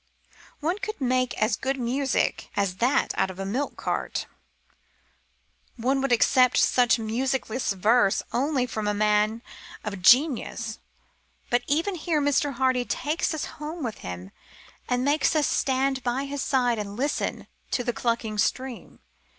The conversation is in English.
One could make as good music as that out of a milk cart. One would accept such musicless verse only from a man of genius. But even here Mr. Hardy takes us home with him and makes us stand by his side and listen to the clucking stream.